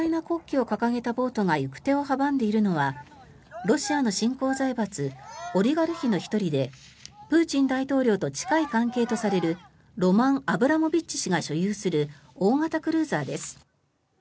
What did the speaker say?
国旗を掲げたボートが行く手を阻んでいるのはロシアの新興財閥オリガルヒの１人でプーチン大統領と近い関係とされるロマン・アブラモビッチ氏が所有する大型クルーザーです。